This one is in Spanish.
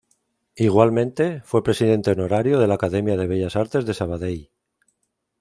Igualmente, fue presidente honorario de la Academia de Bellas artes de Sabadell.